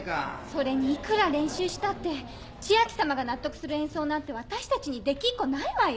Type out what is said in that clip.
それにいくら練習したって千秋さまが納得する演奏なんてわたしたちにできっこないわよ！